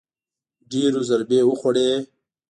ډېرو ضربې وخوړې